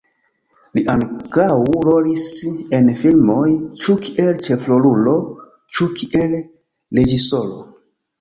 Li ankaŭ rolis en filmoj, ĉu kiel ĉefrolulo, ĉu kiel reĝisoro.